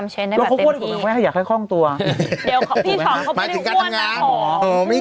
จะได้ไปทำเช้นได้แบบเต็มที่